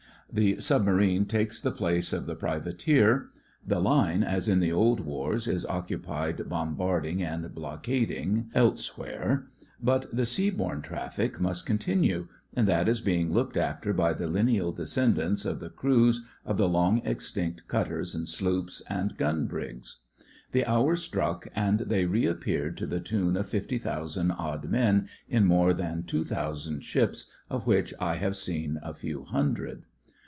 The subma rine takes the place of the privateer; the Line, as in the old wars, is occupied bombarding and blockading, else 8 THE FRINGES OF THE FLEET where, but the sea borne traffic must continue, and that is being looked after by the lineal descendants of the crews of the long extinct cutters and sloops and gun brigs. The hour struck, and they reappeared, to the tune of fifty thousand odd men in more than two thousand ships, of which I have seen a few hundred.